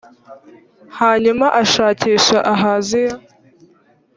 hanyuma ashakisha ahaziya